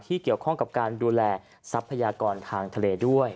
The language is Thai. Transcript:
เกี่ยวข้องกับการดูแลทรัพยากรทางทะเลด้วย